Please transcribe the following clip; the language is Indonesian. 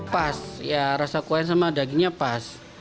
pas ya rasa kue sama dagingnya pas